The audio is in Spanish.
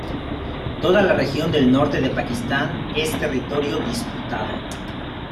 Toda la región del norte de Pakistán es territorio disputado.